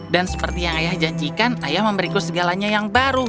seperti yang ayah janjikan ayah memberiku segalanya yang baru